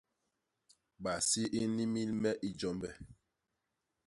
Basi i nnimil me i jombe.